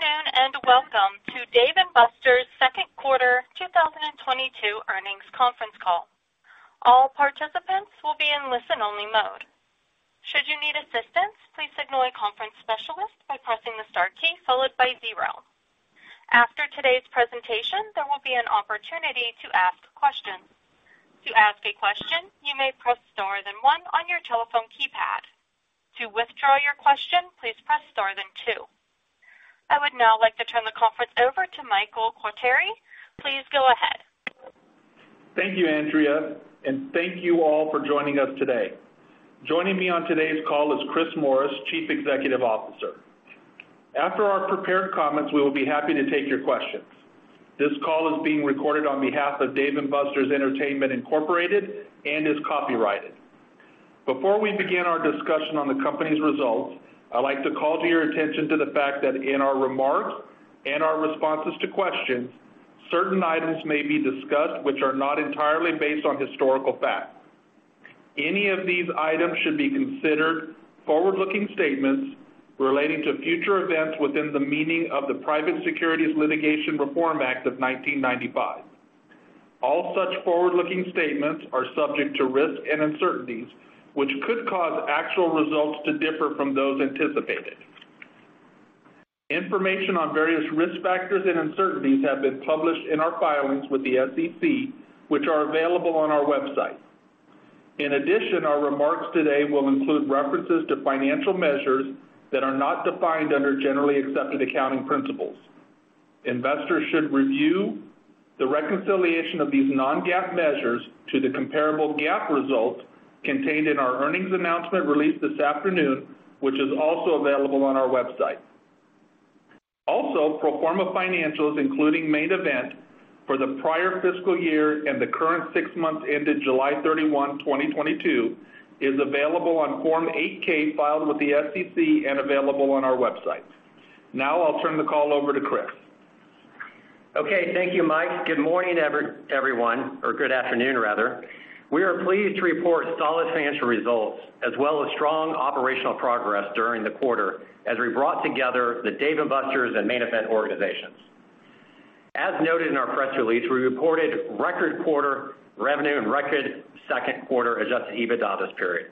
Good afternoon, and welcome to Dave & Buster's second quarter 2022 earnings conference call. All participants will be in listen-only mode. Should you need assistance, please signal a conference specialist by pressing the star key followed by zero. After today's presentation, there will be an opportunity to ask questions. To ask a question, you may press star then one on your telephone keypad. To withdraw your question, please press star then two. I would now like to turn the conference over to Michael Quartieri. Please go ahead. Thank you, Andrea, and thank you all for joining us today. Joining me on today's call is Chris Morris, Chief Executive Officer. After our prepared comments, we will be happy to take your questions. This call is being recorded on behalf of Dave & Buster's Entertainment, Inc. and is copyrighted. Before we begin our discussion on the company's results, I'd like to call to your attention to the fact that in our remarks and our responses to questions, certain items may be discussed which are not entirely based on historical facts. Any of these items should be considered forward-looking statements relating to future events within the meaning of the Private Securities Litigation Reform Act of 1995. All such forward-looking statements are subject to risks and uncertainties, which could cause actual results to differ from those anticipated. Information on various risk factors and uncertainties have been published in our filings with the SEC, which are available on our website. In addition, our remarks today will include references to financial measures that are not defined under generally accepted accounting principles. Investors should review the reconciliation of these non-GAAP measures to the comparable GAAP results contained in our earnings announcement released this afternoon, which is also available on our website. Pro forma financials, including Main Event for the prior fiscal year and the current six months ended July 31, 2022, is available on Form 8-K filed with the SEC and available on our website. Now I'll turn the call over to Chris. Okay. Thank you, Mike. Good morning, everyone. Or good afternoon, rather. We are pleased to report solid financial results as well as strong operational progress during the quarter as we brought together the Dave & Buster's and Main Event organizations. As noted in our press release, we reported record quarter revenue and record second quarter adjusted EBITDA this period.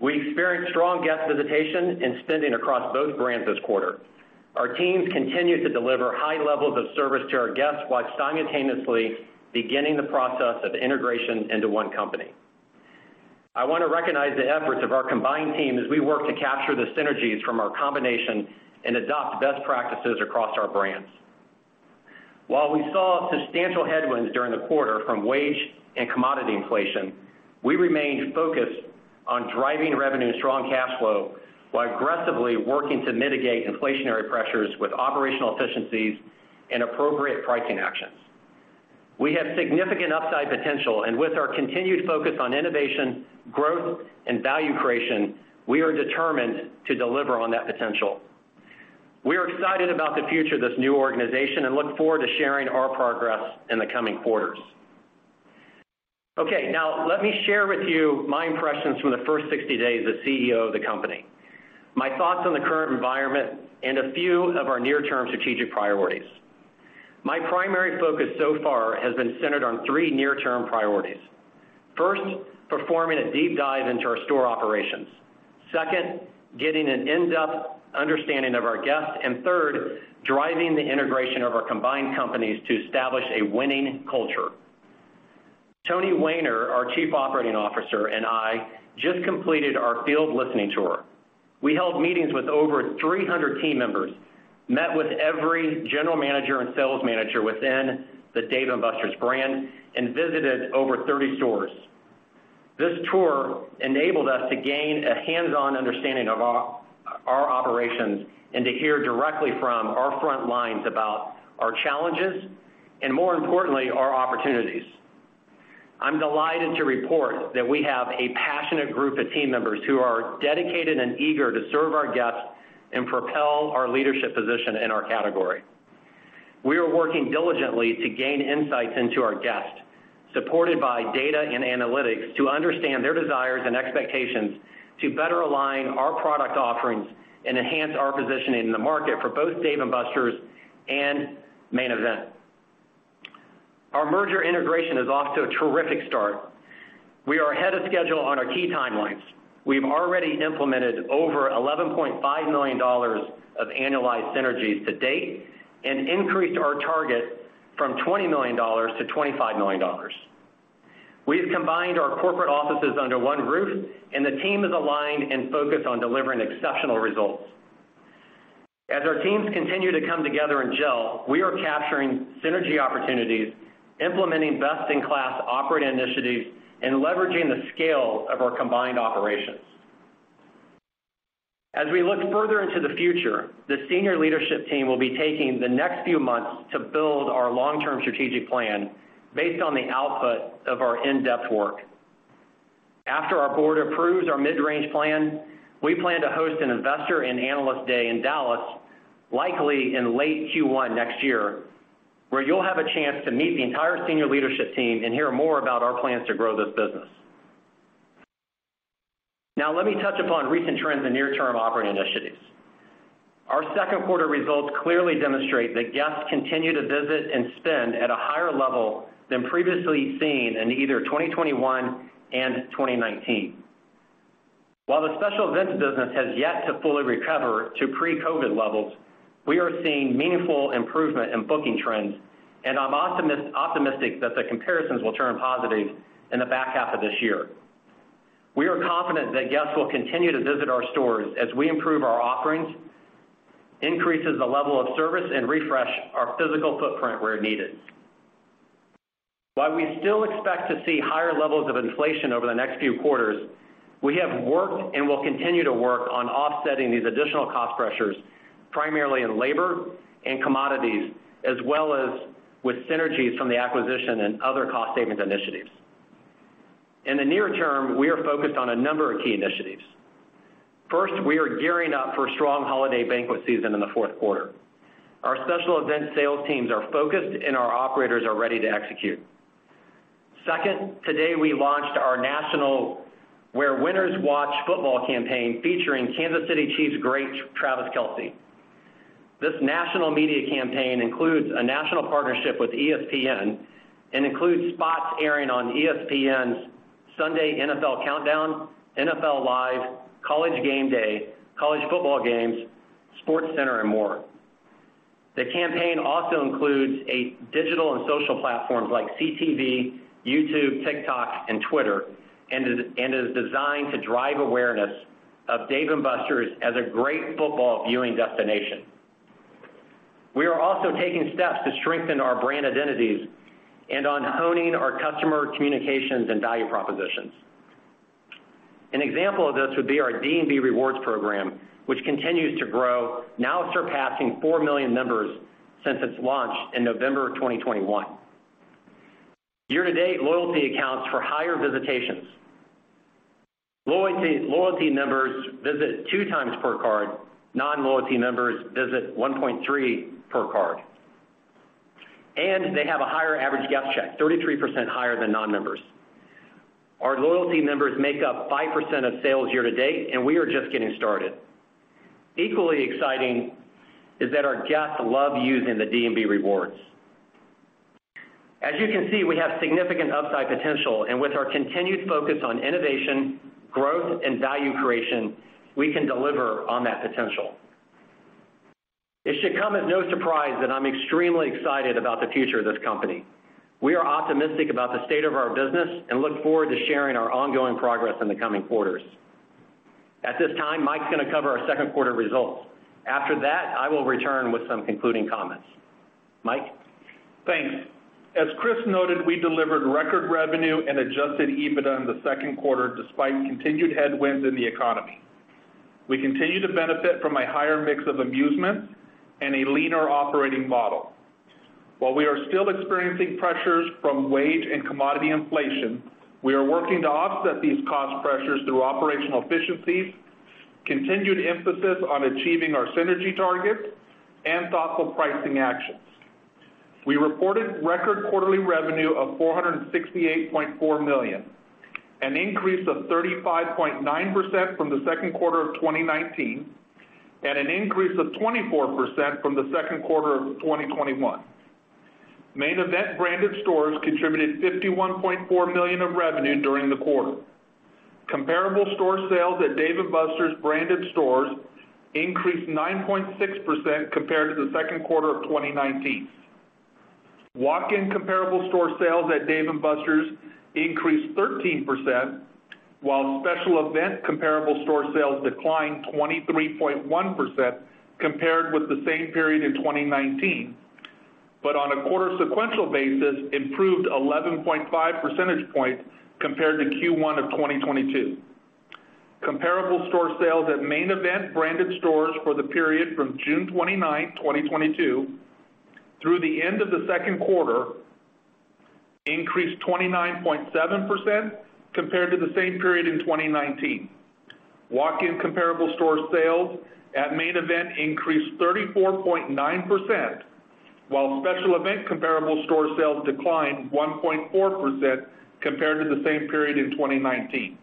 We experienced strong guest visitation and spending across both brands this quarter. Our teams continued to deliver high levels of service to our guests while simultaneously beginning the process of integration into one company. I wanna recognize the efforts of our combined team as we work to capture the synergies from our combination and adopt best practices across our brands. While we saw substantial headwinds during the quarter from wage and commodity inflation, we remained focused on driving revenue and strong cash flow while aggressively working to mitigate inflationary pressures with operational efficiencies and appropriate pricing actions. We have significant upside potential, and with our continued focus on innovation, growth, and value creation, we are determined to deliver on that potential. We are excited about the future of this new organization and look forward to sharing our progress in the coming quarters. Okay. Now, let me share with you my impressions from the first 60 days as CEO of the company, my thoughts on the current environment, and a few of our near-term strategic priorities. My primary focus so far has been centered on three near-term priorities. First, performing a deep dive into our store operations. Second, getting an in-depth understanding of our guests. Third, driving the integration of our combined companies to establish a winning culture. Tony Wehner, our Chief Operating Officer, and I just completed our field listening tour. We held meetings with over 300 team members, met with every general manager and sales manager within the Dave & Buster's brand, and visited over 30 stores. This tour enabled us to gain a hands-on understanding of our operations and to hear directly from our front lines about our challenges and, more importantly, our opportunities. I'm delighted to report that we have a passionate group of team members who are dedicated and eager to serve our guests and propel our leadership position in our category. We are working diligently to gain insights into our guests, supported by data and analytics, to understand their desires and expectations to better align our product offerings and enhance our positioning in the market for both Dave & Buster's and Main Event. Our merger integration is off to a terrific start. We are ahead of schedule on our key timelines. We've already implemented over $11.5 million of annualized synergies to date and increased our target from $20 million to $25 million. We've combined our corporate offices under one roof, and the team is aligned and focused on delivering exceptional results. As our teams continue to come together and gel, we are capturing synergy opportunities, implementing best-in-class operating initiatives, and leveraging the scale of our combined operations. As we look further into the future, the senior leadership team will be taking the next few months to build our long-term strategic plan based on the output of our in-depth work. After our board approves our mid-range plan, we plan to host an investor and analyst day in Dallas, likely in late Q1 next year, where you'll have a chance to meet the entire senior leadership team and hear more about our plans to grow this business. Now let me touch upon recent trends in near term operating initiatives. Our second quarter results clearly demonstrate that guests continue to visit and spend at a higher level than previously seen in either 2021 and 2019. While the special events business has yet to fully recover to pre-COVID levels, we are seeing meaningful improvement in booking trends, and I'm optimistic that the comparisons will turn positive in the back half of this year. We are confident that guests will continue to visit our stores as we improve our offerings, increases the level of service and refresh our physical footprint where needed. While we still expect to see higher levels of inflation over the next few quarters, we have worked and will continue to work on offsetting these additional cost pressures primarily in labor and commodities as well as with synergies from the acquisition and other cost savings initiatives. In the near term, we are focused on a number of key initiatives. First, we are gearing up for strong holiday banquet season in the fourth quarter. Our special event sales teams are focused and our operators are ready to execute. Second, today we launched our national Where Winners Watch Football campaign featuring Kansas City Chiefs great Travis Kelce. This national media campaign includes a national partnership with ESPN and includes spots airing on ESPN's Sunday NFL Countdown, NFL Live, College GameDay, college football games, SportsCenter and more. The campaign also includes digital and social platforms like CTV, YouTube, TikTok and Twitter, and is designed to drive awareness of Dave & Buster's as a great football viewing destination. We are also taking steps to strengthen our brand identities and on honing our customer communications and value propositions. An example of this would be our D&B Rewards program, which continues to grow, now surpassing 4 million members since its launch in November 2021. Year-to-date loyalty accounts for higher visitations. Loyalty, loyalty members visit two times per card, non-loyalty members visit 1.3 per card. They have a higher average guest check, 33% higher than non-members. Our loyalty members make up 5% of sales year-to-date, and we are just getting started. Equally exciting is that our guests love using the D&B Rewards. As you can see, we have significant upside potential, and with our continued focus on innovation, growth and value creation, we can deliver on that potential. It should come as no surprise that I'm extremely excited about the future of this company. We are optimistic about the state of our business and look forward to sharing our ongoing progress in the coming quarters. At this time, Michael's gonna cover our second quarter results. After that, I will return with some concluding comments. Michael? Thanks. As Chris noted, we delivered record revenue and adjusted EBITDA in the second quarter despite continued headwinds in the economy. We continue to benefit from a higher mix of amusements and a leaner operating model. While we are still experiencing pressures from wage and commodity inflation, we are working to offset these cost pressures through operational efficiencies, continued emphasis on achieving our synergy targets and thoughtful pricing actions. We reported record quarterly revenue of $468.4 million, an increase of 35.9% from the second quarter of 2019, and an increase of 24% from the second quarter of 2021. Main Event branded stores contributed $51.4 million of revenue during the quarter. Comparable store sales at Dave & Buster's branded stores increased 9.6% compared to the second quarter of 2019. Walk-in comparable store sales at Dave & Buster's increased 13%, while special event comparable store sales declined 23.1% compared with the same period in 2019, but on a quarter sequential basis, improved 11.5 percentage points compared to Q1 of 2022. Comparable store sales at Main Event branded stores for the period from June 29, 2022 through the end of the second quarter increased 29.7% compared to the same period in 2019. Walk-in comparable store sales at Main Event increased 34.9%, while special event comparable store sales declined 1.4% compared to the same period in 2019.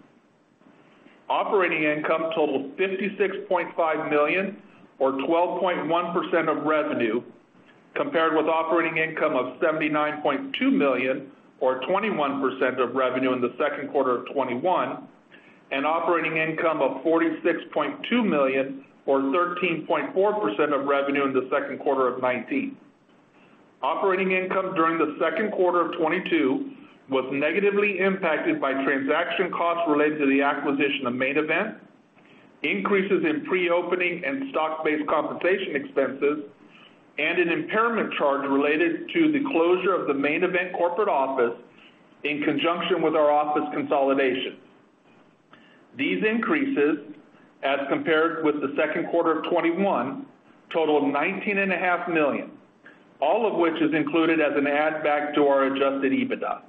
Operating income totaled $56.5 million or 12.1% of revenue, compared with operating income of $79.2 million or 21% of revenue in the second quarter of 2021, and operating income of $46.2 million or 13.4% of revenue in the second quarter of 2019. Operating income during the second quarter of 2022 was negatively impacted by transaction costs related to the acquisition of Main Event, increases in pre-opening and stock-based compensation expenses, and an impairment charge related to the closure of the Main Event corporate office in conjunction with our office consolidation. These increases, as compared with the second quarter of 2021, total $19.5 million, all of which is included as an add back to our adjusted EBITDA.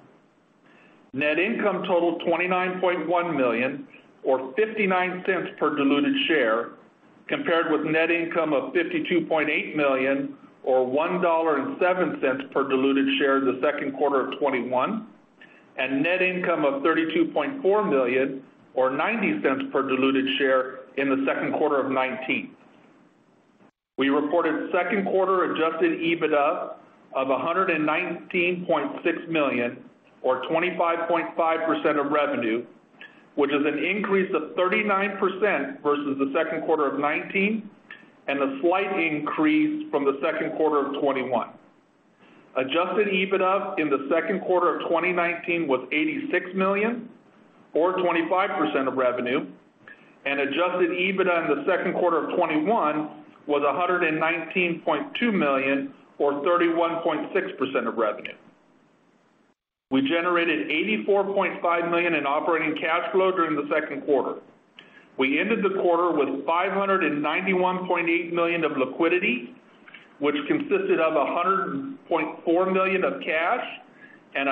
Net income totaled $29.1 million or $0.59 per diluted share. Compared with net income of $52.8 million or $1.07 per diluted share in the second quarter of 2021, and net income of $32.4 million or $0.90 per diluted share in the second quarter of 2019. We reported second quarter adjusted EBITDA of $119.6 million or 25.5% of revenue, which is an increase of 39% versus the second quarter of 2019 and a slight increase from the second quarter of 2021. Adjusted EBITDA in the second quarter of 2019 was $86 million or 25% of revenue, and adjusted EBITDA in the second quarter of 2021 was $119.2 million or 31.6% of revenue. We generated $84.5 million in operating cash flow during the second quarter. We ended the quarter with $591.8 million of liquidity, which consisted of $100.4 million of cash and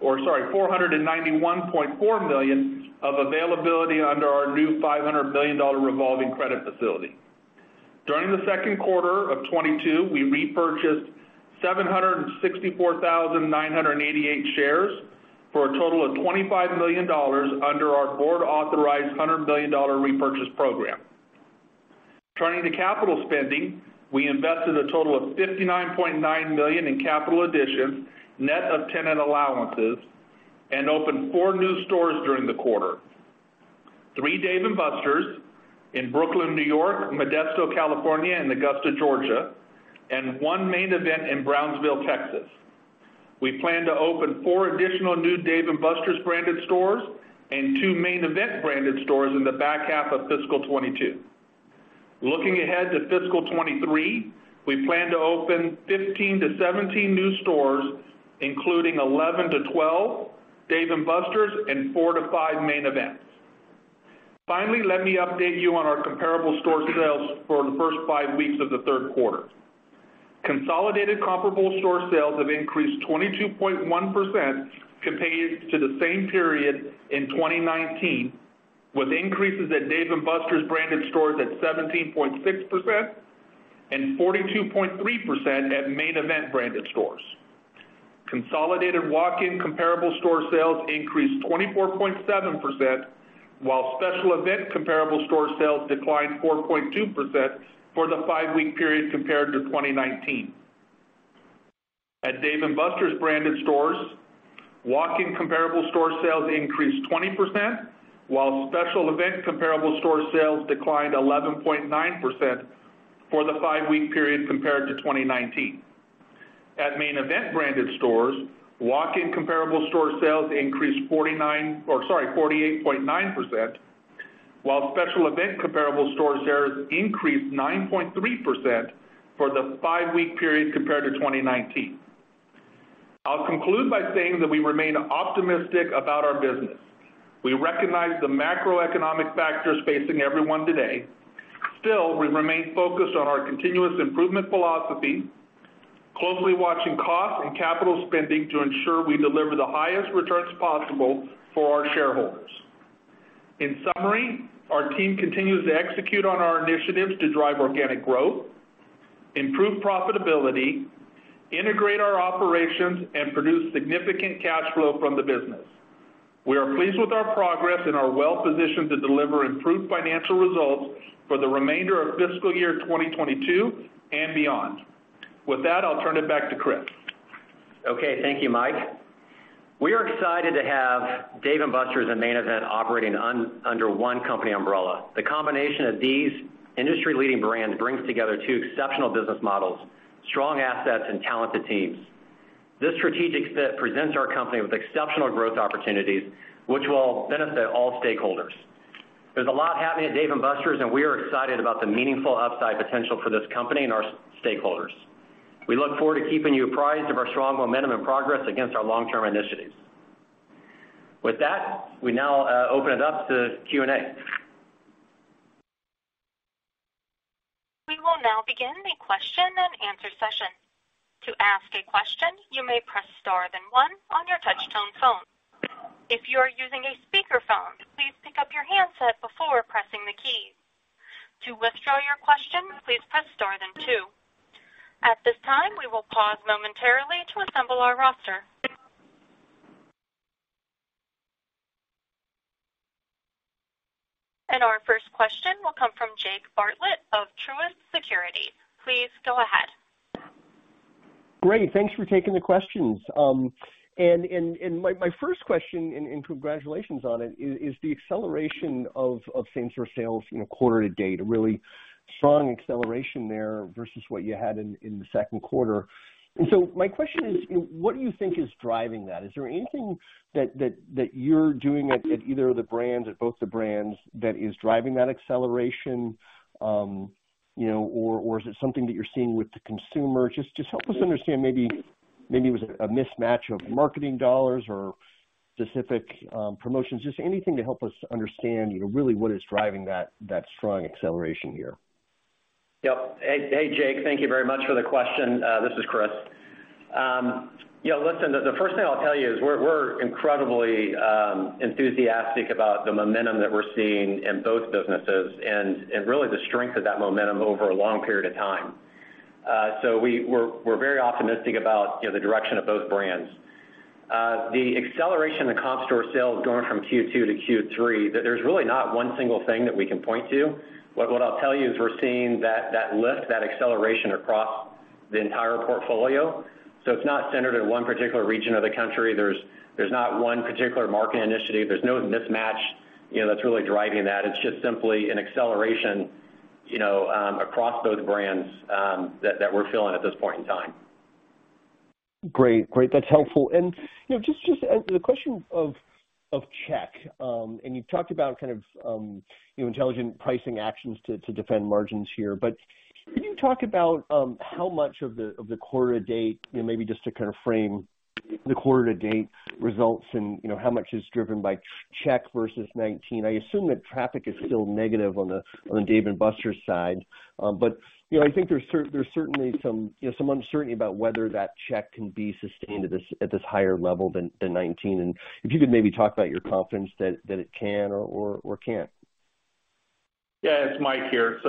$491.4 million of availability under our new $500 billion revolving credit facility. During the second quarter of 2022, we repurchased 764,988 shares for a total of $25 million under our board authorized $100 billion repurchase program. Turning to capital spending, we invested a total of $59.9 million in capital additions, net of tenant allowances, and opened 4 new stores during the quarter. 3 Dave & Buster's in Brooklyn, New York, Modesto, California, and Augusta, Georgia, and one Main Event in Brownsville, Texas. We plan to open 4 additional new Dave & Buster's branded stores and two Main Event branded stores in the back half of fiscal 2022. Looking ahead to fiscal 2023, we plan to open 15-17 new stores, including 11-12 Dave & Buster's and 4-5 Main Events. Finally, let me update you on our comparable store sales for the first 5 weeks of the third quarter. Consolidated comparable store sales have increased 22.1% compared to the same period in 2019, with increases at Dave & Buster's branded stores at 17.6% and 42.3% at Main Event branded stores. Consolidated walk-in comparable store sales increased 24.7%, while special event comparable store sales declined 4.2% for the five-week period compared to 2019. At Dave & Buster's branded stores, walk-in comparable store sales increased 20%, while special event comparable store sales declined 11.9% for the five-week period compared to 2019. At Main Event branded stores, walk-in comparable store sales increased 48.9%, while special event comparable store sales increased 9.3% for the five-week period compared to 2019. I'll conclude by saying that we remain optimistic about our business. We recognize the macroeconomic factors facing everyone today. Still, we remain focused on our continuous improvement philosophy, closely watching costs and capital spending to ensure we deliver the highest returns possible for our shareholders. In summary, our team continues to execute on our initiatives to drive organic growth, improve profitability, integrate our operations, and produce significant cash flow from the business. We are pleased with our progress and are well positioned to deliver improved financial results for the remainder of fiscal year 2022 and beyond. With that, I'll turn it back to Chris. Okay. Thank you, Mike. We are excited to have Dave & Buster's and Main Event operating under one company umbrella. The combination of these industry leading brands brings together two exceptional business models, strong assets and talented teams. This strategic fit presents our company with exceptional growth opportunities which will benefit all stakeholders. There's a lot happening at Dave & Buster's, and we are excited about the meaningful upside potential for this company and our stakeholders. We look forward to keeping you apprised of our strong momentum and progress against our long term initiatives. With that, we now open it up to Q&A. We will now begin the question and answer session. To ask a question, you may press Star then One on your touch tone phone. If you are using a speakerphone, please pick up your handset before pressing the key. To withdraw your question, please press Star then Two. At this time, we will pause momentarily to assemble our roster. Our first question will come from Jake Bartlett of Truist Securities. Please go ahead. Great. Thanks for taking the questions. My first question, and congratulations on it, is the acceleration of same-store sales, you know, quarter to date, a really strong acceleration there versus what you had in the second quarter. My question is, what do you think is driving that? Is there anything that you're doing at either of the brands or both the brands that is driving that acceleration? You know, or is it something that you're seeing with the consumer? Just help us understand maybe it was a mismatch of marketing dollars or specific promotions, just anything to help us understand, you know, really what is driving that strong acceleration here. Yep. Hey, Jake. Thank you very much for the question. This is Chris. You know, listen, the first thing I'll tell you is we're incredibly enthusiastic about the momentum that we're seeing in both businesses and really the strength of that momentum over a long period of time. We're very optimistic about, you know, the direction of both brands. The acceleration in comp store sales going from Q2 to Q3, there's really not one single thing that we can point to. What I'll tell you is we're seeing that lift, that acceleration across the entire portfolio. It's not centered in one particular region of the country. There's not one particular market initiative. There's no mismatch, you know, that's really driving that. It's just simply an acceleration, you know, across both brands, that we're feeling at this point in time. Great. That's helpful. You know, just a question of check. You've talked about kind of, you know, intelligent pricing actions to defend margins here. Can you talk about how much of the quarter to date, you know, maybe just to kind of frame the quarter to date results and, you know, how much is driven by check versus '19? I assume that traffic is still negative on the Dave & Buster's side. You know, I think there's certainly some uncertainty about whether that check can be sustained at this higher level than '19. If you could maybe talk about your confidence that it can or can't. Yeah, it's Mike here.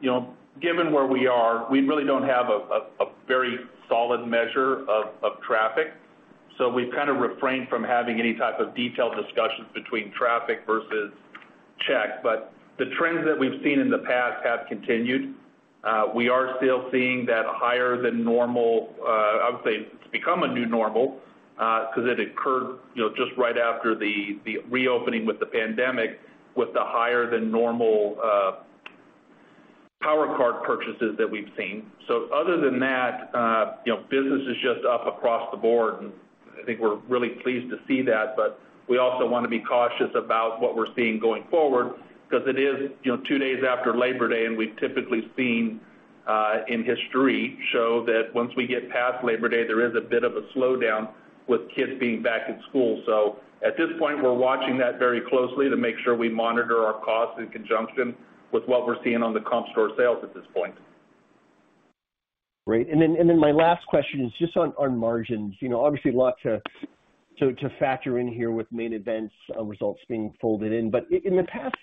You know, given where we are, we really don't have a very solid measure of traffic. We've kind of refrained from having any type of detailed discussions between traffic versus check. The trends that we've seen in the past have continued. We are still seeing that higher than normal. I would say it's become a new normal, because it occurred, you know, just right after the reopening with the pandemic, with the higher than normal Power Card purchases that we've seen. Other than that, you know, business is just up across the board, and I think we're really pleased to see that. We also wanna be cautious about what we're seeing going forward because it is, you know, two days after Labor Day, and we've typically seen in history show that once we get past Labor Day, there is a bit of a slowdown with kids being back in school. At this point, we're watching that very closely to make sure we monitor our costs in conjunction with what we're seeing on the comp store sales at this point. Great. My last question is just on margins. You know, obviously a lot to factor in here with Main Event results being folded in. In the past,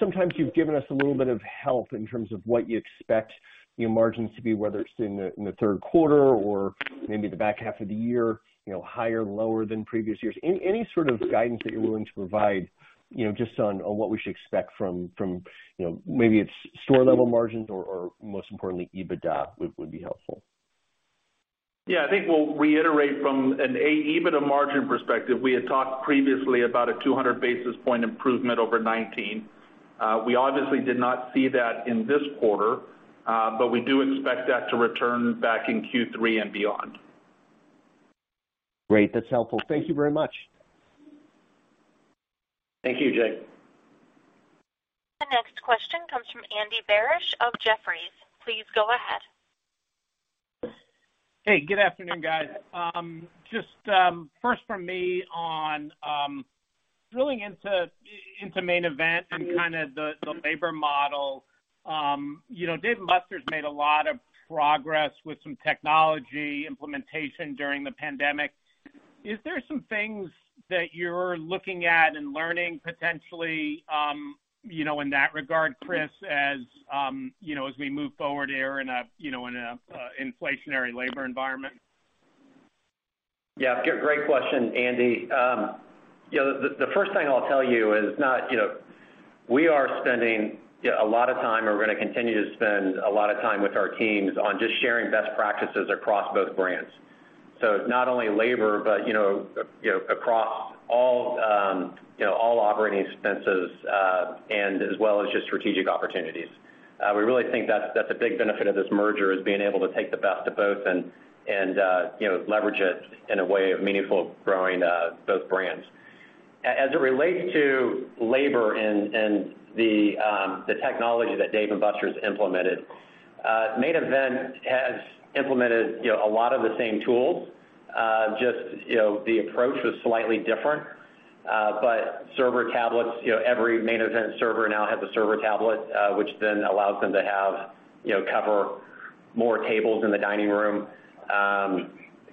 sometimes you've given us a little bit of help in terms of what you expect your margins to be, whether it's in the third quarter or maybe the back half of the year, you know, higher, lower than previous years. Any sort of guidance that you're willing to provide, you know, just on what we should expect from, you know, maybe it's store level margins or most importantly, EBITDA would be helpful. I think we'll reiterate from an adjusted EBITDA margin perspective, we had talked previously about a 200 basis point improvement over 2019. We obviously did not see that in this quarter, but we do expect that to return back in Q3 and beyond. Great. That's helpful. Thank you very much. Thank you, Jake. The next question comes from Andy Barish of Jefferies. Please go ahead. Hey, good afternoon, guys. Just first from me on drilling into Main Event and kind of the labor model. You know, Dave & Buster's made a lot of progress with some technology implementation during the pandemic. Is there some things that you're looking at and learning potentially, you know, in that regard, Chris, as you know, as we move forward here in a, you know, in a inflationary labor environment? Yeah. Great question, Andy. You know, the first thing I'll tell you is, you know, we are spending a lot of time and we're gonna continue to spend a lot of time with our teams on just sharing best practices across both brands, not only labor, but you know, across all, you know, all operating expenses, and as well as just strategic opportunities. We really think that's a big benefit of this merger, is being able to take the best of both and, you know, leverage it in a way of meaningful growing both brands. As it relates to labor and the technology that Dave & Buster's implemented, Main Event has implemented a lot of the same tools, just, you know, the approach was slightly different. Server tablets, you know, every Main Event server now has a server tablet, which then allows them to have, you know, cover more tables in the dining room.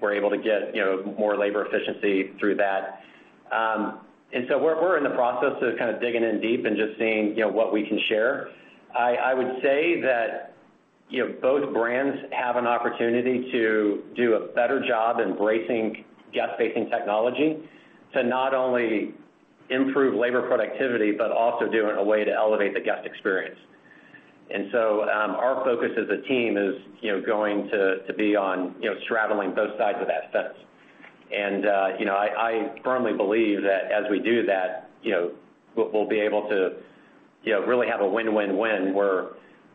We're able to get, you know, more labor efficiency through that. We're in the process of kind of digging in deep and just seeing, you know, what we can share. I would say that, you know, both brands have an opportunity to do a better job embracing guest-facing technology to not only improve labor productivity, but also do it in a way to elevate the guest experience. Our focus as a team is, you know, going to be on, you know, straddling both sides of that fence. You know, I firmly believe that as we do that, you know, we'll be able to, you know, really have a win-win-win, where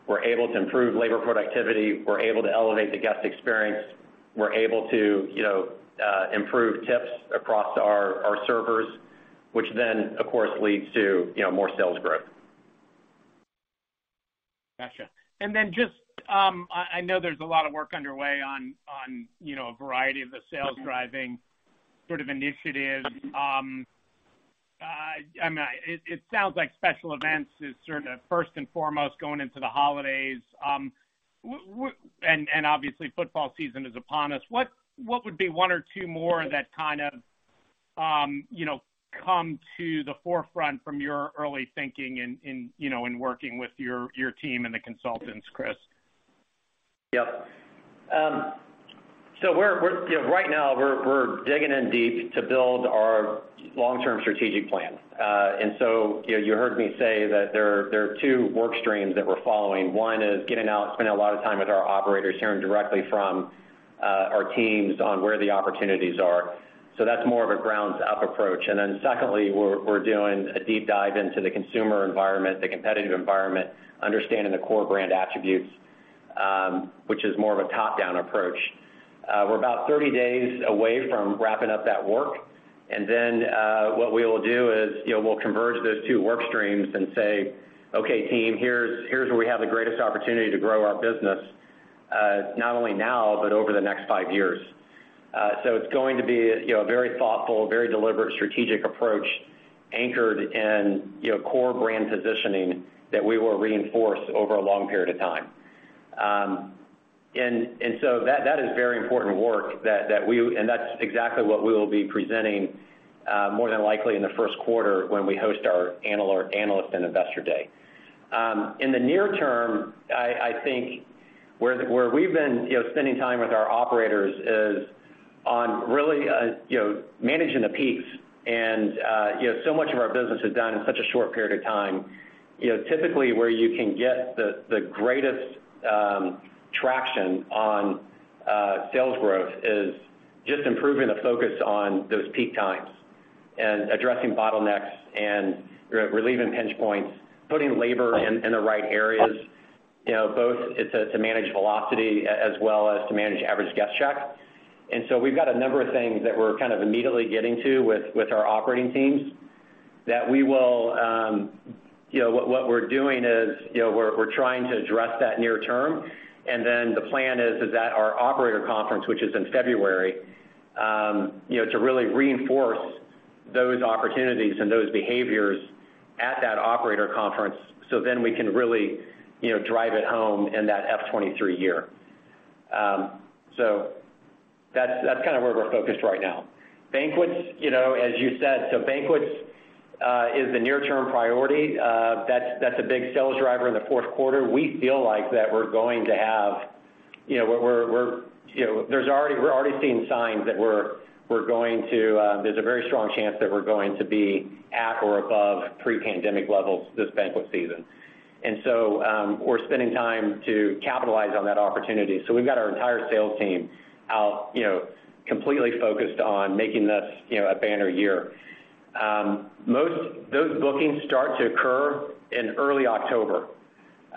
we're able to improve labor productivity, we're able to elevate the guest experience, we're able to, you know, improve tips across our servers, which then of course leads to, you know, more sales growth. Gotcha. Just, I know there's a lot of work underway on you know a variety of the sales driving sort of initiatives. I mean, it sounds like special events is sort of first and foremost going into the holidays. Obviously, football season is upon us. What would be one or two more that kind of you know come to the forefront from your early thinking in you know in working with your team and the consultants, Chris? Yep. We're you know, right now we're digging in deep to build our long-term strategic plan. You know, you heard me say that there are two work streams that we're following. One is getting out, spending a lot of time with our operators, hearing directly from our teams on where the opportunities are. That's more of a ground-up approach. Then secondly, we're doing a deep dive into the consumer environment, the competitive environment, understanding the core brand attributes, which is more of a top-down approach. We're about 30 days away from wrapping up that work. What we will do is, you know, we'll converge those two work streams and say, "Okay, team, here's where we have the greatest opportunity to grow our business, not only now but over the next five years." It's going to be, you know, a very thoughtful, very deliberate strategic approach anchored in, you know, core brand positioning that we will reinforce over a long period of time. That is very important work that's exactly what we will be presenting, more than likely in the first quarter when we host our analyst and investor day. In the near term, I think where we've been, you know, spending time with our operators is on really, you know, managing the peaks. You know, so much of our business is done in such a short period of time. You know, typically, where you can get the greatest traction on sales growth is just improving the focus on those peak times and addressing bottlenecks and relieving pinch points, putting labor in the right areas, you know, both it's to manage velocity as well as to manage average guest check. We've got a number of things that we're kind of immediately getting to with our operating teams that we will, you know, what we're doing is, you know, we're trying to address that near term. The plan is at our operator conference, which is in February, you know, to really reinforce those opportunities and those behaviors at that operator conference so then we can really, you know, drive it home in that FY 2023 year. So that's kind of where we're focused right now. Banquets, you know, as you said, is the near term priority. That's a big sales driver in the fourth quarter. We feel like we're going to have, you know, we're already seeing signs that we're going to. There's a very strong chance that we're going to be at or above pre-pandemic levels this banquet season. We're spending time to capitalize on that opportunity. We've got our entire sales team out, you know, completely focused on making this, you know, a banner year. Those bookings start to occur in early October.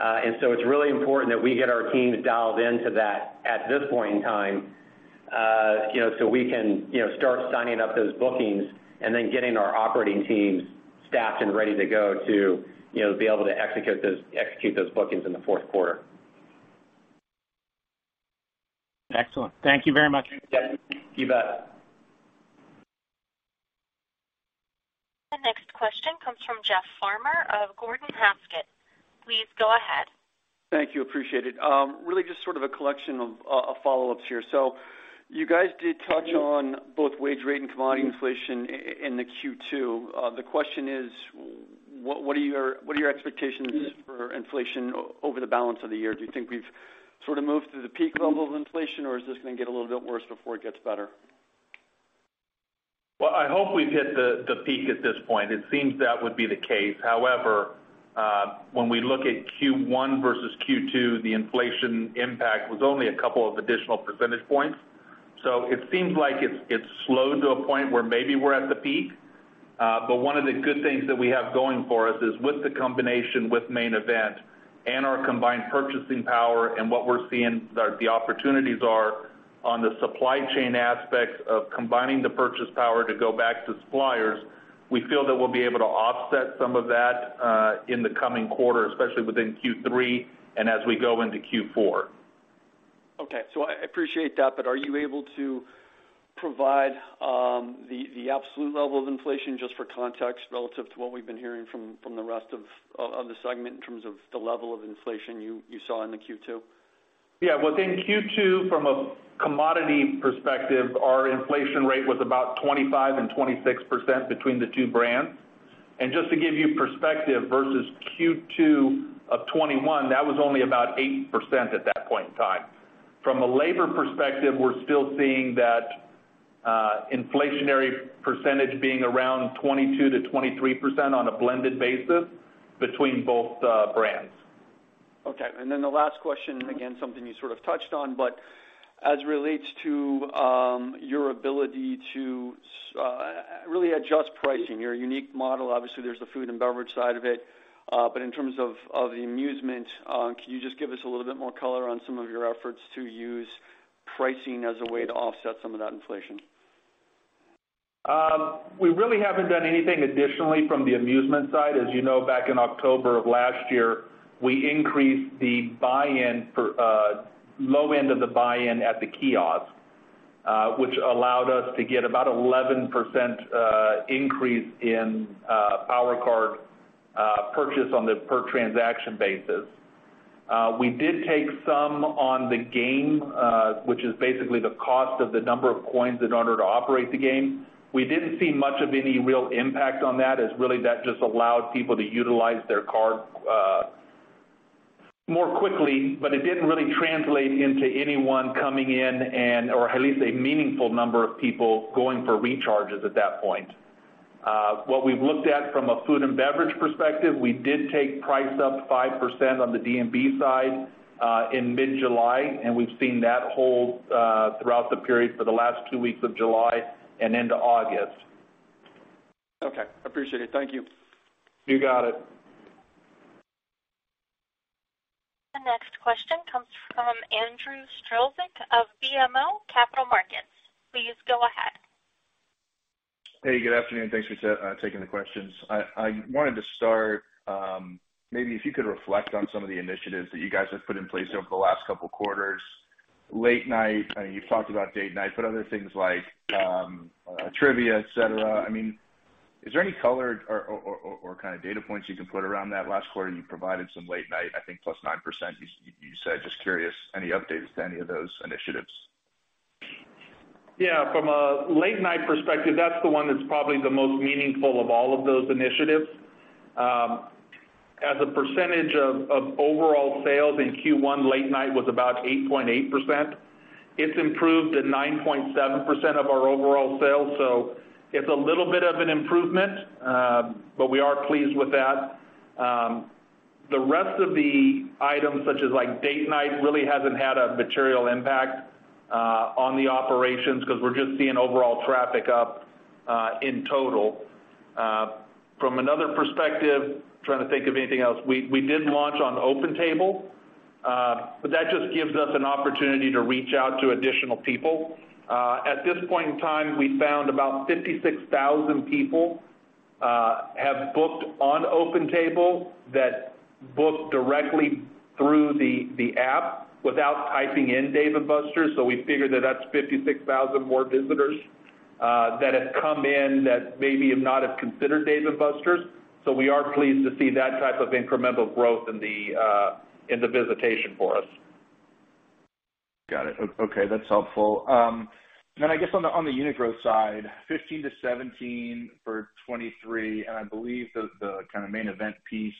It's really important that we get our teams dialed into that at this point in time, you know, so we can, you know, start signing up those bookings and then getting our operating teams staffed and ready to go to, you know, be able to execute those bookings in the fourth quarter. Excellent. Thank you very much. You bet. The next question comes from Jeff Farmer of Gordon Haskett. Please go ahead. Thank you. Appreciate it. Really just sort of a collection of follow-ups here. You guys did touch on both wage rate and commodity inflation in the Q2. The question is what are your expectations for inflation over the balance of the year? Do you think we've sort of moved through the peak level of inflation, or is this gonna get a little bit worse before it gets better? I hope we've hit the peak at this point. It seems that would be the case. When we look at Q1 versus Q2, the inflation impact was only a couple of additional percentage points. It seems like it's slowed to a point where maybe we're at the peak. One of the good things that we have going for us is with the combination with Main Event and our combined purchasing power and what we're seeing the opportunities are on the supply chain aspects of combining the purchase power to go back to suppliers, we feel that we'll be able to offset some of that in the coming quarter, especially within Q3 and as we go into Q4. Okay. I appreciate that. Are you able to provide, the absolute level of inflation just for context relative to what we've been hearing from the rest of the segment in terms of the level of inflation you saw in the Q2? Yeah. Within Q2, from a commodity perspective, our inflation rate was about 25% and 26% between the two brands. Just to give you perspective, versus Q2 of 2021, that was only about 8% at that point in time. From a labor perspective, we're still seeing that, inflationary percentage being around 22%-23% on a blended basis between both the brands. Okay. The last question, again, something you sort of touched on, but as it relates to your ability to really adjust pricing, your unique model, obviously there's the food and beverage side of it. But in terms of the amusement, can you just give us a little bit more color on some of your efforts to use pricing as a way to offset some of that inflation? We really haven't done anything additionally from the amusement side. As you know, back in October of last year, we increased the buy-in for low end of the buy-in at the kiosk. which allowed us to get about 11% increase in Power Card purchase on the per transaction basis. We did take some on the game, which is basically the cost of the number of coins in order to operate the game. We didn't see much of any real impact on that, as really that just allowed people to utilize their card more quickly, but it didn't really translate into anyone coming in or at least a meaningful number of people going for recharges at that point. What we've looked at from a food and beverage perspective, we did take price up 5% on the D&B side in mid-July, and we've seen that hold throughout the period for the last 2 weeks of July and into August. Okay, appreciate it. Thank you. You got it. The next question comes from Andrew Strelzik of BMO Capital Markets. Please go ahead. Hey, good afternoon. Thanks for taking the questions. I wanted to start, maybe if you could reflect on some of the initiatives that you guys have put in place over the last couple quarters. Late night, I know you've talked about date night, but other things like, trivia, et cetera. I mean, is there any color or kind of data points you can put around that? Last quarter, you provided some late night, I think, plus 9%, you said. Just curious, any updates to any of those initiatives? Yeah. From a late-night perspective, that's the one that's probably the most meaningful of all of those initiatives. As a percentage of overall sales in Q1, late night was about 8.8%. It's improved to 9.7% of our overall sales, so it's a little bit of an improvement, but we are pleased with that. The rest of the items, such as, like, date night, really hasn't had a material impact on the operations because we're just seeing overall traffic up in total. From another perspective, trying to think of anything else. We did launch on OpenTable, but that just gives us an opportunity to reach out to additional people. At this point in time, we found about 56,000 people have booked on OpenTable that book directly through the app without typing in Dave & Buster's. We figure that that's 56,000 more visitors that have come in that maybe have not considered Dave & Buster's. We are pleased to see that type of incremental growth in the visitation for us. Got it. Okay, that's helpful. I guess on the unit growth side, 15-17 for 2023, and I believe the kind of Main Event piece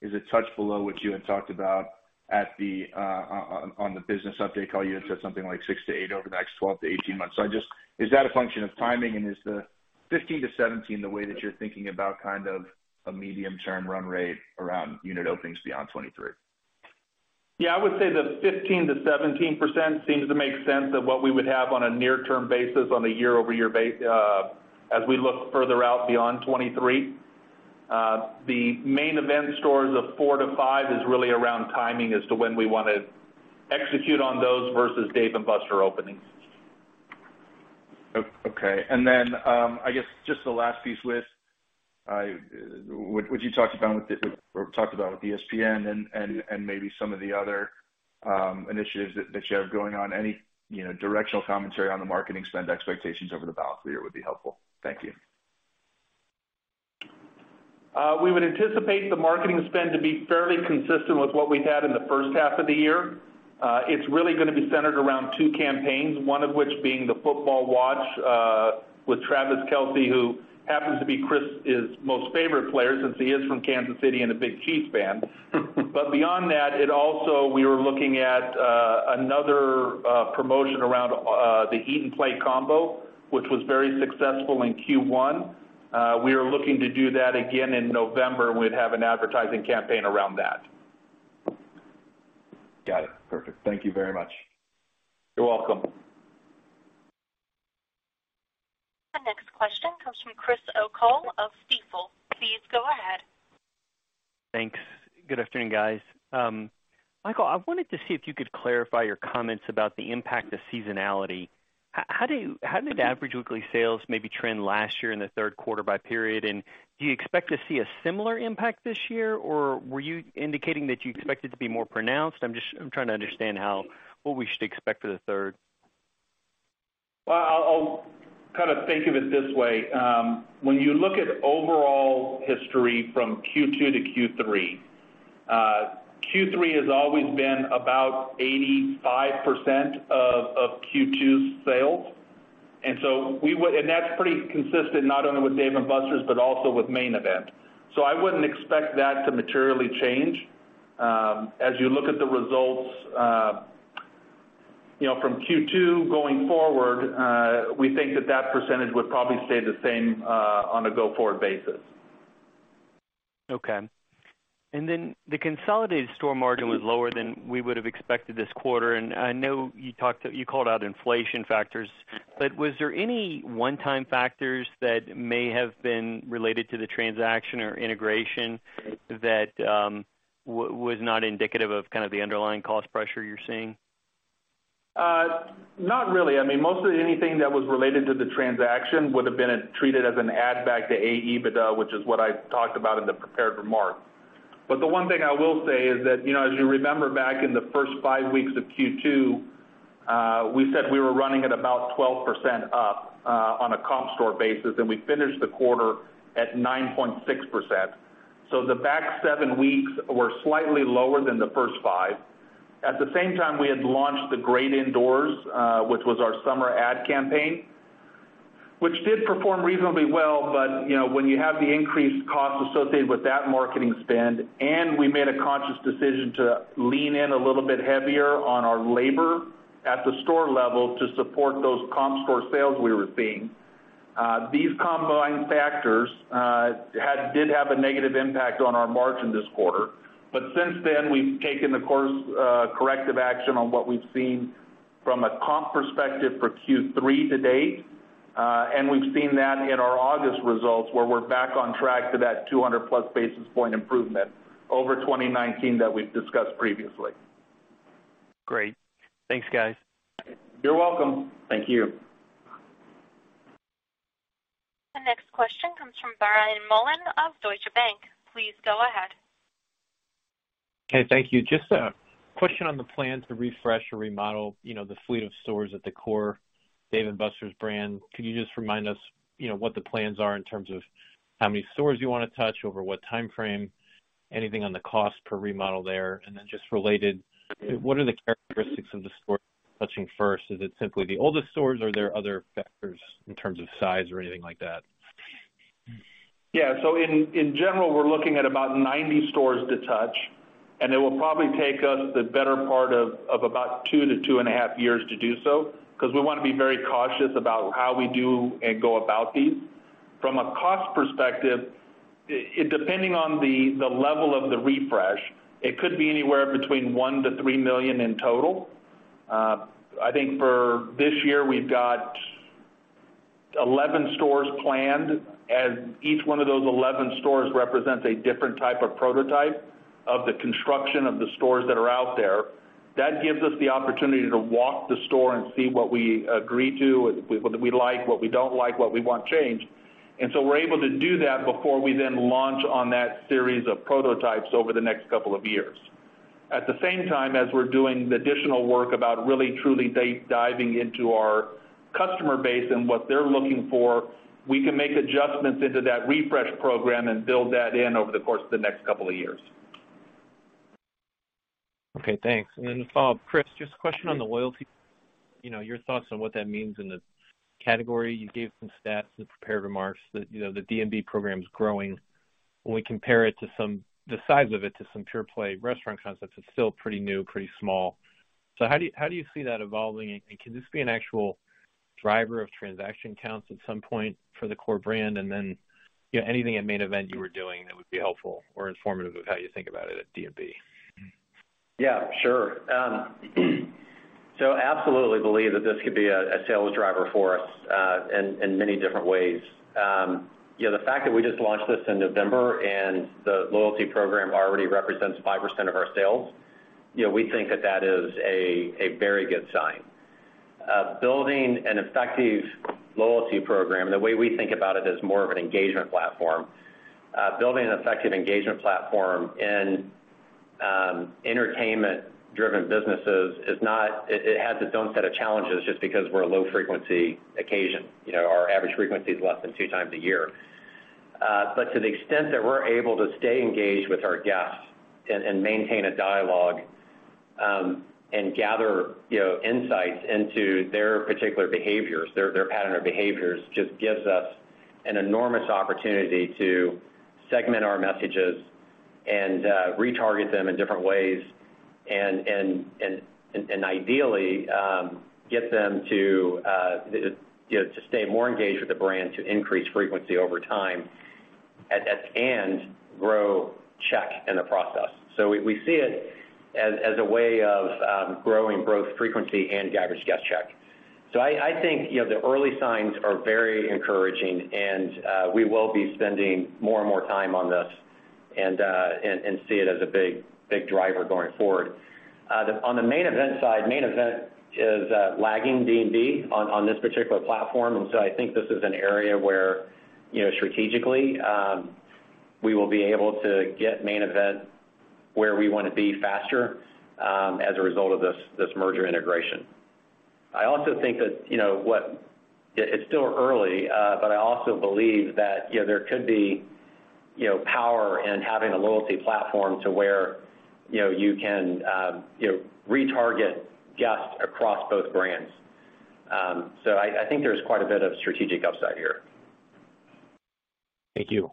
is a touch below what you had talked about on the business update call. You had said something like 6-8 over the next 12-18 months. Is that a function of timing, and is the 15-17 the way that you're thinking about kind of a medium-term run rate around unit openings beyond 2023? Yeah. I would say the 15%-17% seems to make sense of what we would have on a near-term basis on a year-over-year, as we look further out beyond 2023. The Main Event stores of 4-5 is really around timing as to when we wanna execute on those versus Dave & Buster's openings. Okay. I guess just the last piece with what you talked about or talked about with ESPN and maybe some of the other initiatives that you have going on. Any, you know, directional commentary on the marketing spend expectations over the balance of the year would be helpful. Thank you. We would anticipate the marketing spend to be fairly consistent with what we had in the first half of the year. It's really gonna be centered around two campaigns, one of which being the football watch with Travis Kelce, who happens to be Chris's most favorite player since he is from Kansas City and a big Chiefs fan. Beyond that, it also, we were looking at another promotion around the Eat & Play Combo, which was very successful in Q1. We are looking to do that again in November. We'd have an advertising campaign around that. Got it. Perfect. Thank you very much. You're welcome. The next question comes from Chris O'Cull of Stifel. Please go ahead. Thanks. Good afternoon, guys. Michael, I wanted to see if you could clarify your comments about the impact of seasonality. How did average weekly sales maybe trend last year in the third quarter by period? Do you expect to see a similar impact this year, or were you indicating that you expect it to be more pronounced? I'm just trying to understand what we should expect for the third. I'll kind of think of it this way. When you look at overall history from Q2 to Q3 has always been about 85% of Q2's sales. That's pretty consistent not only with Dave & Buster's but also with Main Event. I wouldn't expect that to materially change. As you look at the results, you know, from Q2 going forward, we think that percentage would probably stay the same on a go-forward basis. Okay. Then the consolidated store margin was lower than we would have expected this quarter. I know you called out inflation factors, but was there any one-time factors that may have been related to the transaction or integration that was not indicative of kind of the underlying cost pressure you're seeing? Not really. I mean, most of anything that was related to the transaction would have been treated as an add back to adjusted EBITDA, which is what I talked about in the prepared remarks. The one thing I will say is that, you know, as you remember back in the first five weeks of Q2, we said we were running at about 12% up, on a comp store basis, and we finished the quarter at 9.6%. The back seven weeks were slightly lower than the first five. At the same time, we had launched The Great Indoors, which was our summer ad campaign, which did perform reasonably well, but, you know, when you have the increased costs associated with that marketing spend, and we made a conscious decision to lean in a little bit heavier on our labor at the store level to support those comp store sales we were seeing. These combined factors did have a negative impact on our margin this quarter. Since then, we've taken corrective action on what we've seen from a comp perspective for Q3 to date. We've seen that in our August results, where we're back on track to that 200+ basis point improvement over 2019 that we've discussed previously. Great. Thanks, guys. You're welcome. Thank you. The next question comes from Brian Mullan of Deutsche Bank. Please go ahead. Okay, thank you. Just a question on the plan to refresh or remodel, you know, the fleet of stores at the core Dave & Buster's brand. Could you just remind us, you know, what the plans are in terms of how many stores you wanna touch over what time frame, anything on the cost per remodel there? And then just related, what are the characteristics of the store touching first? Is it simply the oldest stores, or are there other factors in terms of size or anything like that? In general, we're looking at about 90 stores to touch, and it will probably take us the better part of about 2-2.5 years to do so because we wanna be very cautious about how we do and go about these. From a cost perspective, depending on the level of the refresh, it could be anywhere between $1 million-$3 million in total. I think for this year, we've got 11 stores planned, and each one of those 11 stores represents a different type of prototype of the construction of the stores that are out there. That gives us the opportunity to walk the store and see what we agree to, what we like, what we don't like, what we want changed. We're able to do that before we then launch on that series of prototypes over the next couple of years. At the same time, as we're doing the additional work about really, truly diving into our customer base and what they're looking for, we can make adjustments into that refresh program and build that in over the course of the next couple of years. Okay, thanks. To follow up, Chris, just a question on the loyalty. You know, your thoughts on what that means in the category. You gave some stats and prepared remarks that, you know, the D&B program is growing. When we compare the size of it to some pure play restaurant concepts, it's still pretty new, pretty small. How do you see that evolving? Can this be an actual driver of transaction counts at some point for the core brand? You know, anything at Main Event you were doing that would be helpful or informative of how you think about it at D&B. Yeah, sure. Absolutely believe that this could be a sales driver for us in many different ways. You know, the fact that we just launched this in November and the loyalty program already represents 5% of our sales, you know, we think that is a very good sign. Building an effective loyalty program, the way we think about it is more of an engagement platform. Building an effective engagement platform in entertainment-driven businesses is not. It has its own set of challenges just because we're a low frequency occasion. You know, our average frequency is less than two times a year. To the extent that we're able to stay engaged with our guests and maintain a dialogue and gather, you know, insights into their particular behaviors, their pattern of behaviors, just gives us an enormous opportunity to segment our messages and retarget them in different ways and ideally get them to, you know, to stay more engaged with the brand, to increase frequency over time and grow check in the process. We see it as a way of growing both frequency and average guest check. I think, you know, the early signs are very encouraging and we will be spending more and more time on this and see it as a big driver going forward. On the Main Event side, Main Event is lagging D&B on this particular platform. I think this is an area where, you know, strategically, we will be able to get Main Event where we wanna be faster as a result of this merger integration. I also think that it's still early, but I also believe that there could be power in having a loyalty platform to where you can retarget guests across both brands. I think there's quite a bit of strategic upside here. Thank you.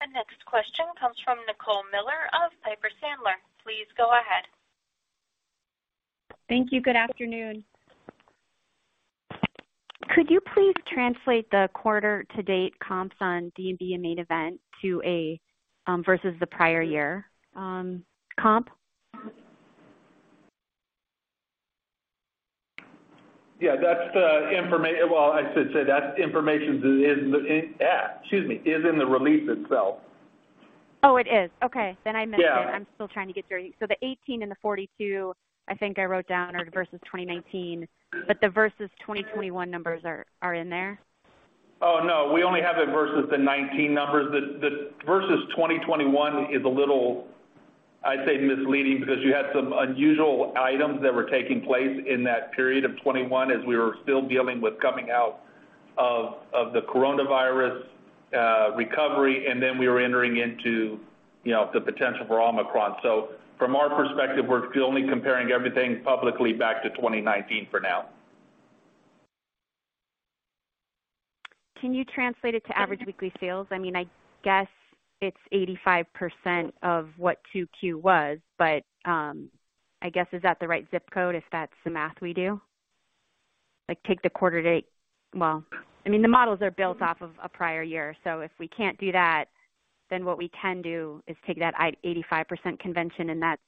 The next question comes from Nicole Miller Regan of Piper Sandler. Please go ahead. Thank you. Good afternoon. Could you please translate the quarter-to-date comps on D&B and Main Event to a versus the prior year comp? Well, I should say that information is in the release itself. Oh, it is. Okay. I missed it. Yeah. I'm still trying to get through. The 18 and the 42, I think I wrote down are versus 2019, but the versus 2021 numbers are in there. Oh, no, we only have it versus the 2019 numbers. The versus 2021 is a little, I'd say misleading because you had some unusual items that were taking place in that period of 2021 as we were still dealing with coming out of the coronavirus recovery, and then we were entering into, you know, the potential for Omicron. From our perspective, we're only comparing everything publicly back to 2019 for now. Can you translate it to average weekly sales? I mean, I guess it's 85% of what 2Q was, but, I guess, is that the right ZIP Code if that's the math we do? Like, Well, I mean, the models are built off of a prior year, so if we can't do that, then what we can do is take that 85% convention and that's.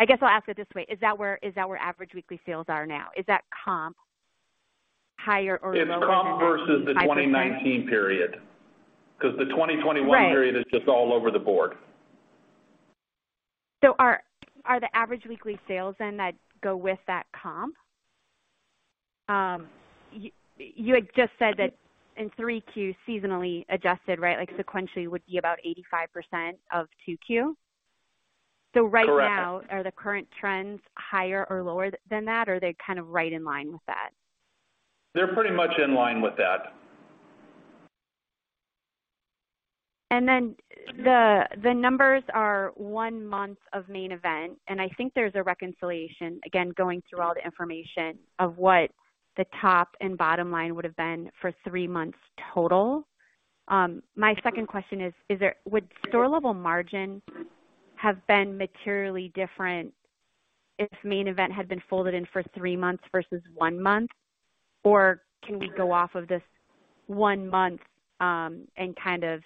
I guess I'll ask it this way, is that where average weekly sales are now? Is that comp higher or? It's a comp versus the 2019 period. Because the 2021 period. Right. is just all over the board. Are the average weekly sales then that go with that comp? You had just said that in 3Q seasonally adjusted, right, like, sequentially would be about 85% of 2Q. Correct. Right now, are the current trends higher or lower than that, or are they kind of right in line with that? They're pretty much in line with that. The numbers are one month of Main Event, and I think there's a reconciliation, again, going through all the information of what the top and bottom line would have been for three months total. My second question is, would store level margin have been materially different if Main Event had been folded in for three months versus one month? Or can we go off of this one month, and kind of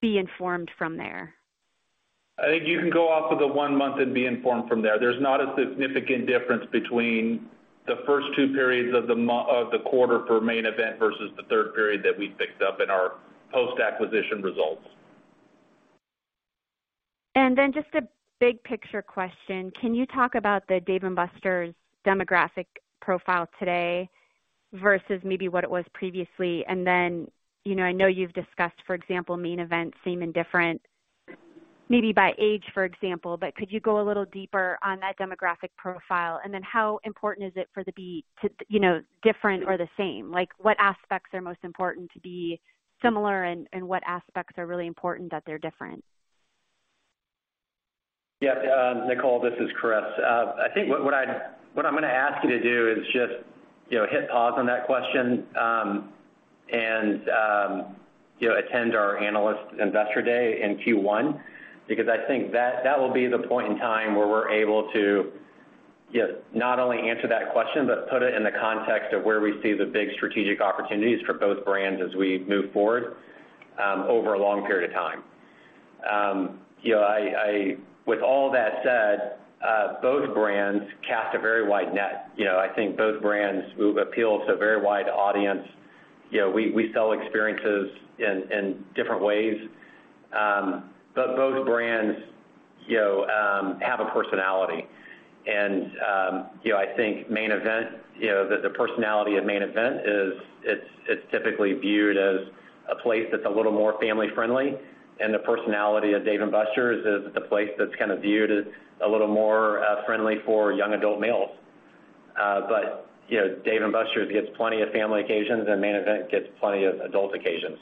be informed from there? I think you can go off of the one month and be informed from there. There's not a significant difference between the first two periods of the quarter for Main Event versus the third period that we fixed up in our post-acquisition results. Just a big picture question. Can you talk about the Dave & Buster's demographic profile today versus maybe what it was previously? You know, I know you've discussed, for example, Main Event seeming different maybe by age, for example, but could you go a little deeper on that demographic profile? How important is it for them to be, you know, different or the same? Like, what aspects are most important to be similar and what aspects are really important that they're different? Yeah, Nicole, this is Chris. I think what I'm gonna ask you to do is just, you know, hit pause on that question, and you know, attend our analyst investor day in Q1. Because I think that will be the point in time where we're able to, you know, not only answer that question, but put it in the context of where we see the big strategic opportunities for both brands as we move forward, over a long period of time. You know, with all that said, both brands cast a very wide net. You know, I think both brands will appeal to a very wide audience. You know, we sell experiences in different ways. But both brands, you know, have a personality. I think Main Event, you know, the personality of Main Event is. It's typically viewed as a place that's a little more family-friendly, and the personality of Dave & Buster's is the place that's kind of viewed as a little more friendly for young adult males. You know, Dave & Buster's gets plenty of family occasions and Main Event gets plenty of adult occasions.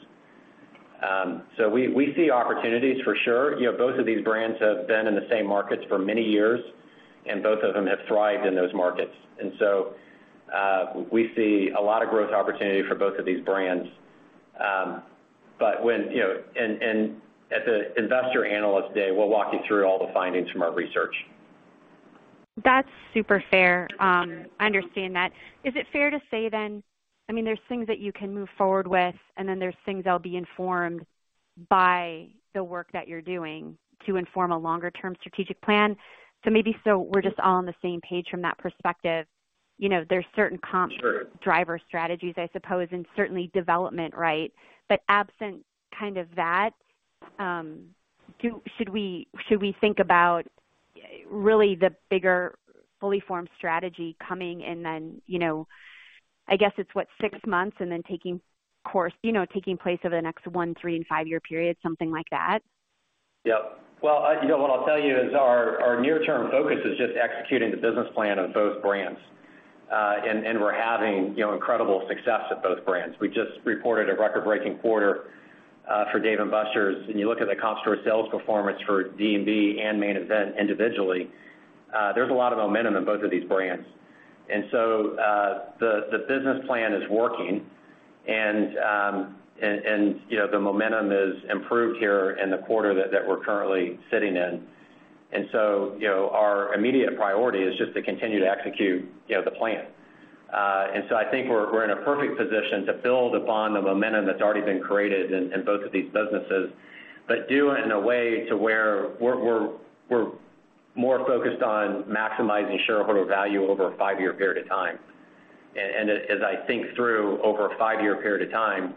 We see opportunities for sure. You know, both of these brands have been in the same markets for many years, and both of them have thrived in those markets. We see a lot of growth opportunity for both of these brands. At the investor analyst day, we'll walk you through all the findings from our research. That's super fair. I understand that. Is it fair to say then, I mean, there's things that you can move forward with, and then there's things that will be informed by the work that you're doing to inform a longer term strategic plan. Maybe so we're just all on the same page from that perspective. You know, there's certain comps. Sure. -driver strategies, I suppose, and certainly development right. Absent kind of that, should we think about really the bigger, fully formed strategy coming and then, you know, I guess it's what, six months and then taking course, you know, taking place over the next one, three, and five-year period, something like that? Yeah. Well, you know, what I'll tell you is our near-term focus is just executing the business plan of both brands. We're having, you know, incredible success at both brands. We just reported a record-breaking quarter for Dave & Buster's. When you look at the comp store sales performance for D&B and Main Event individually, there's a lot of momentum in both of these brands. The business plan is working and, you know, the momentum is improved here in the quarter that we're currently sitting in. Our immediate priority is just to continue to execute, you know, the plan. I think we're in a perfect position to build upon the momentum that's already been created in both of these businesses, but do it in a way where we're more focused on maximizing shareholder value over a five-year period of time. As I think through over a five-year period of time,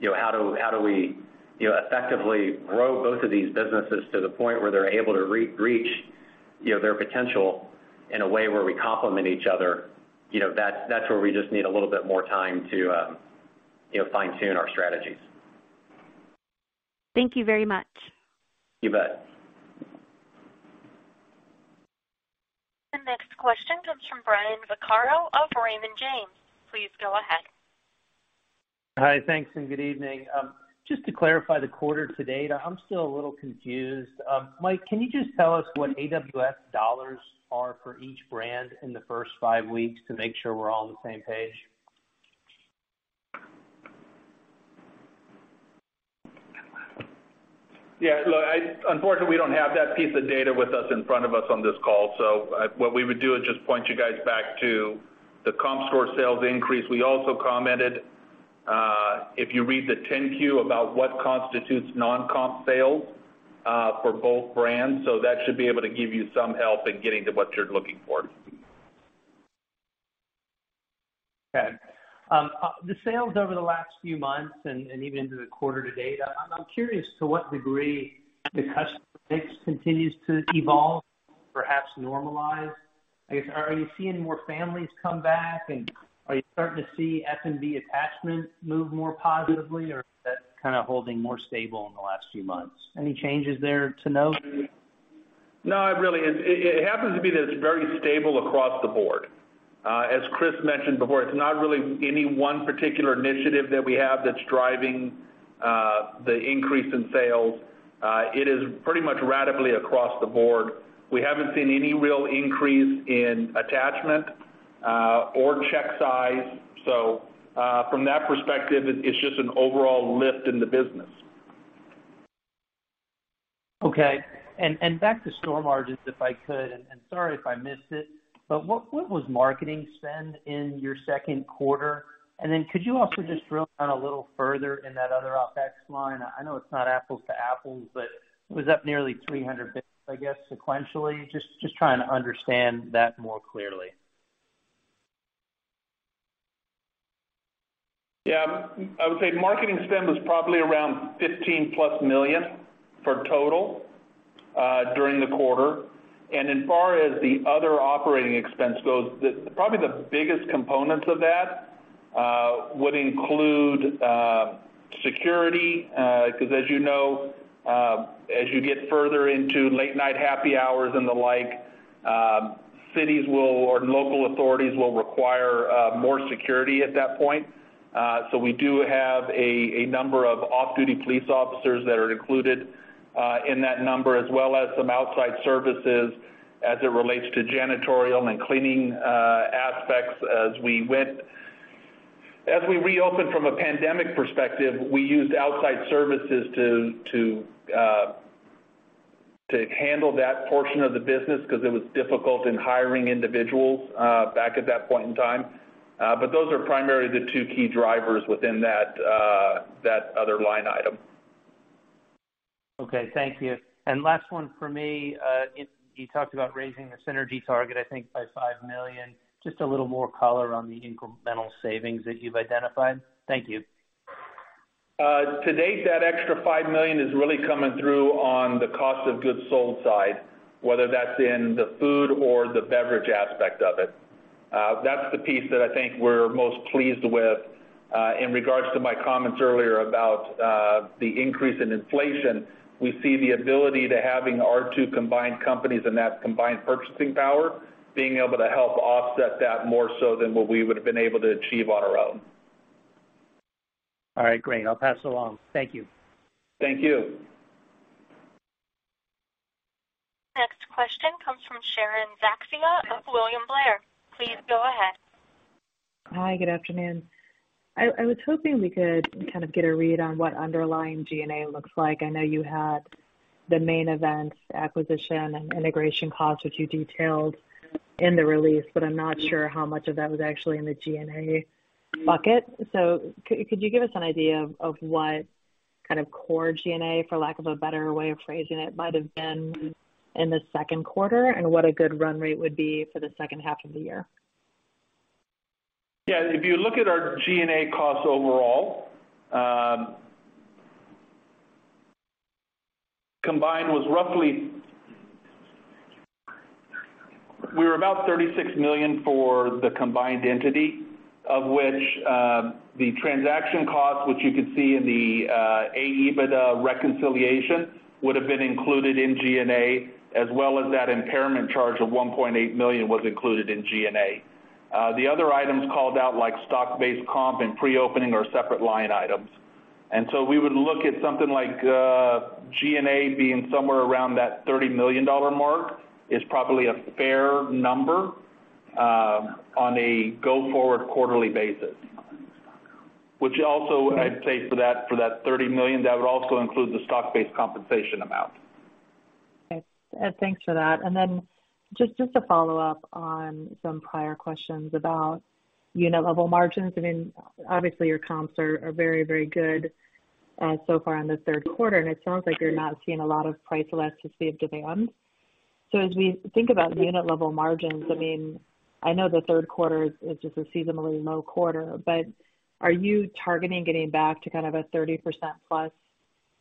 you know, how do we effectively grow both of these businesses to the point where they're able to reach their potential in a way where we complement each other? You know, that's where we just need a little bit more time to you know, fine-tune our strategies. Thank you very much. You bet. The next question comes from Brian Vaccaro of Raymond James. Please go ahead. Hi. Thanks, and good evening. Just to clarify the quarter to date, I'm still a little confused. Mike, can you just tell us what AWS dollars are for each brand in the first 5 weeks to make sure we're all on the same page? Yeah, look, I unfortunately, we don't have that piece of data with us in front of us on this call. What we would do is just point you guys back to the comp store sales increase. We also commented, if you read the 10-Q about what constitutes non-comp sales, for both brands. That should be able to give you some help in getting to what you're looking for. Okay. The sales over the last few months and even into the quarter to date, I'm curious to what degree the customer base continues to evolve, perhaps normalize. I guess, are you seeing more families come back? Are you starting to see F&B attachments move more positively, or is that kind of holding more stable in the last few months? Any changes there to note? No, really, it happens to be that it's very stable across the board. As Chris mentioned before, it's not really any one particular initiative that we have that's driving the increase in sales. It is pretty much ratably across the board. We haven't seen any real increase in attachment or check size. From that perspective, it's just an overall lift in the business. Okay. Back to store margins, if I could, and sorry if I missed it, but what was marketing spend in your second quarter? Could you also just drill down a little further in that other OpEx line? I know it's not apples to apples, but it was up nearly 300 basis, I guess, sequentially. Just trying to understand that more clearly. Yeah. I would say marketing spend was probably around $15+ million for total during the quarter. As far as the other operating expense goes, probably the biggest components of that would include security because as you know, as you get further into late night happy hours and the like, cities will or local authorities will require more security at that point. So we do have a number of off-duty police officers that are included in that number, as well as some outside services as it relates to janitorial and cleaning aspects as we went. As we reopened from a pandemic perspective, we used outside services to handle that portion of the business because it was difficult in hiring individuals back at that point in time. Those are primarily the two key drivers within that other line item. Okay, thank you. Last one for me. You talked about raising the synergy target, I think, by $5 million. Just a little more color on the incremental savings that you've identified. Thank you. To date, that extra $5 million is really coming through on the cost of goods sold side, whether that's in the food or the beverage aspect of it. That's the piece that I think we're most pleased with. In regards to my comments earlier about the increase in inflation, we see the ability to having our two combined companies and that combined purchasing power being able to help offset that more so than what we would have been able to achieve on our own. All right, great. I'll pass it along. Thank you. Thank you. Next question comes from Sharon Zackfia of William Blair. Please go ahead. Hi, good afternoon. I was hoping we could kind of get a read on what underlying G&A looks like. I know you had the Main Event acquisition and integration costs, which you detailed in the release, but I'm not sure how much of that was actually in the G&A bucket. Could you give us an idea of what kind of core G&A, for lack of a better way of phrasing it, might have been in the second quarter and what a good run rate would be for the second half of the year? Yeah. If you look at our G&A costs overall, combined was roughly. We were about $36 million for the combined entity of which, the transaction costs, which you could see in the, adjusted EBITDA reconciliation, would have been included in G&A, as well as that impairment charge of $1.8 million was included in G&A. The other items called out like stock-based comp and pre-opening are separate line items. We would look at something like, G&A being somewhere around that $30 million mark is probably a fair number, on a go-forward quarterly basis. Which also I'd say for that $30 million, that would also include the stock-based compensation amount. Okay. Thanks for that. Just to follow up on some prior questions about unit level margins. I mean, obviously your comps are very good so far in the third quarter, and it sounds like you're not seeing a lot of price elasticity of demand. As we think about unit level margins, I mean, I know the third quarter is just a seasonally low quarter, but are you targeting getting back to kind of a 30%+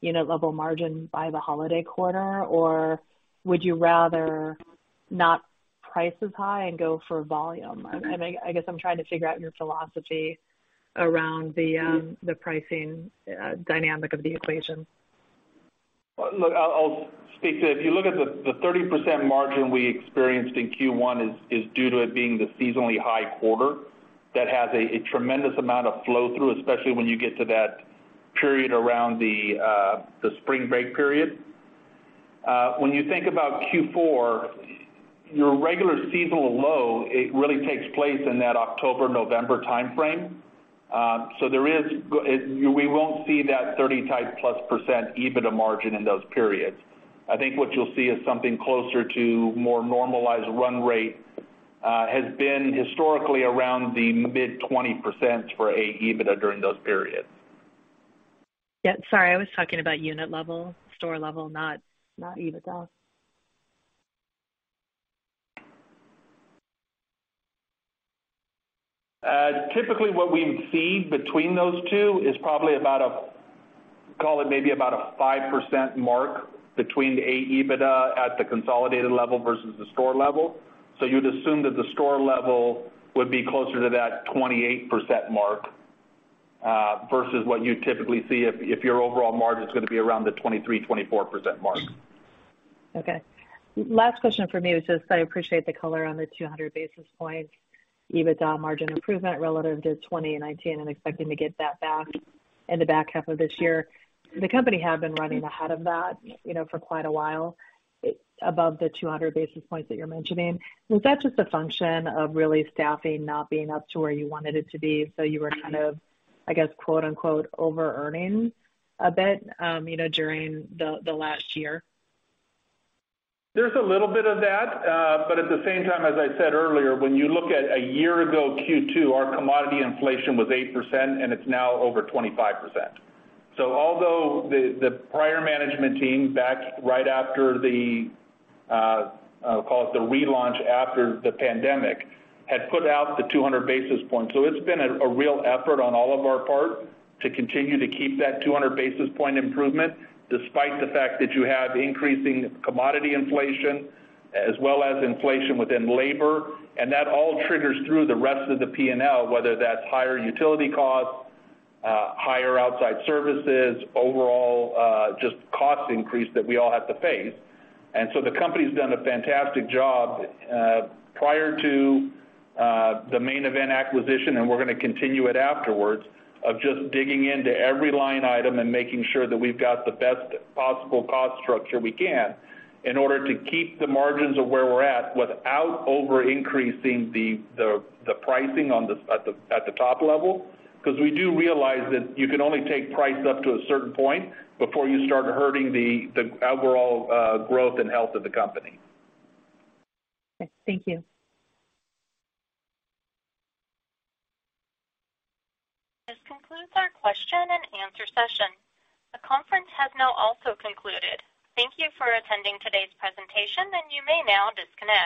unit level margin by the holiday quarter? Or would you rather not price as high and go for volume? I guess I'm trying to figure out your philosophy around the pricing dynamic of the equation. Look, I'll speak to it. If you look at the 30% margin we experienced in Q1 is due to it being the seasonally high quarter that has a tremendous amount of flow through, especially when you get to that period around the spring break period. When you think about Q4, your regular seasonal low, it really takes place in that October-November timeframe. We won't see that thirty type plus percent EBITDA margin in those periods. I think what you'll see is something closer to more normalized run rate has been historically around the mid-20% for adjusted EBITDA during those periods. Yeah, sorry. I was talking about unit level, store level, not EBITDA. Typically, what we see between those two is probably about a, call it maybe about a 5% mark between the adjusted EBITDA at the consolidated level versus the store level. You'd assume that the store level would be closer to that 28% mark versus what you typically see if your overall margin is gonna be around the 23%-24% mark. Okay. Last question for me was just I appreciate the color on the 200 basis points EBITDA margin improvement relative to 2019 and expecting to get that back in the back half of this year. The company had been running ahead of that, you know, for quite a while, above the 200 basis points that you're mentioning. Was that just a function of really staffing not being up to where you wanted it to be, so you were kind of, I guess, quote-unquote, overearning a bit, you know, during the last year? There's a little bit of that. At the same time, as I said earlier, when you look at a year ago, Q2, our commodity inflation was 8%, and it's now over 25%. Although the prior management team back right after the call it the relaunch after the pandemic had put out the 200 basis points. It's been a real effort on all of our part to continue to keep that 200 basis point improvement despite the fact that you have increasing commodity inflation as well as inflation within labor. That all triggers through the rest of the P&L, whether that's higher utility costs, higher outside services, overall, just cost increase that we all have to face. The company's done a fantastic job, prior to the Main Event acquisition, and we're gonna continue it afterwards, of just digging into every line item and making sure that we've got the best possible cost structure we can in order to keep the margins of where we're at without over-increasing the pricing at the top level. Because we do realize that you can only take price up to a certain point before you start hurting the overall growth and health of the company. Thank you. This concludes our question and answer session. The conference has now also concluded. Thank you for attending today's presentation, and you may now disconnect.